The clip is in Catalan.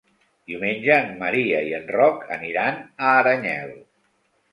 Diumenge en Maria i en Roc aniran a Aranyel.